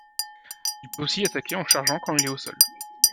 Il peut aussi attaquer en chargeant quand il est au sol.